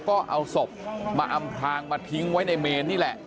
ก็เอาศพมาอำพลางมาทิ้งไว้ในเมนนี่แหละ